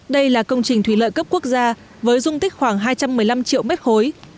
đây là công trình thủy lợi cấp quốc gia với dung tích khoảng hai trăm một mươi năm triệu mét khối